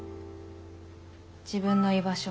自分の居場所